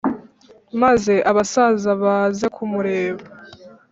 maze abasaza baze kumureba